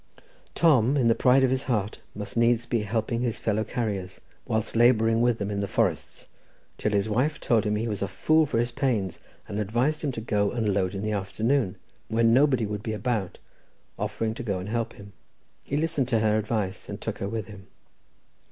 Tom, in the pride of his heart, must needs be helping his fellow carriers, whilst labouring with them in the forests, till his wife told him he was a fool for his pains, and advised him to go and load in the afternoon, when nobody would be about, offering to go and help him. He listened to her advice, and took her with him.